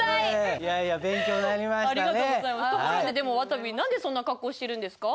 たび何でそんな格好してるんですか？